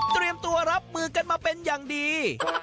เตรียมตัวรับมือกันมาเป็นอย่างดี